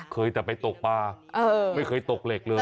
เคยแต่ไปตกปลาไม่เคยตกเหล็กเลย